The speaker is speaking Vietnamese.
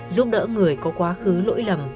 giúp đỡ người có quá khứ lỗi lầm